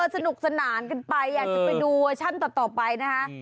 สนุกสนานกันไปอยากจะไปดูเวอร์ชันต่อไปนะคะ